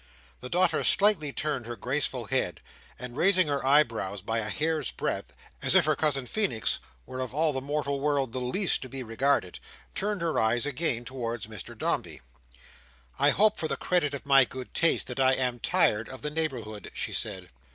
The daughter slightly turned her graceful head, and raising her eyebrows by a hair's breadth, as if her cousin Feenix were of all the mortal world the least to be regarded, turned her eyes again towards Mr Dombey. "I hope, for the credit of my good taste, that I am tired of the neighbourhood," she said.